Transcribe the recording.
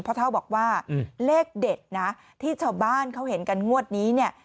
เท่าบอกว่าเลขเด็ดนะที่ชาวบ้านเขาเห็นกันงวดนี้เนี่ย